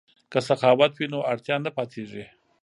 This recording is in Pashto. که سخاوت وي نو اړتیا نه پاتیږي.